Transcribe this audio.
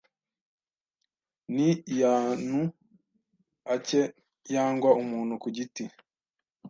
ni iy’antu ake yangwa umuntu ku giti